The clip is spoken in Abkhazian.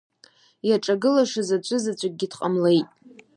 Иаҿагылашаз аӡәы заҵәыкгьы дҟамлеит.